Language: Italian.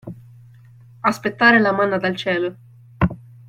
Aspettare la manna dal cielo.